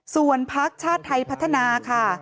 ส่วนพักชาติไทยพัฒนาค่ะ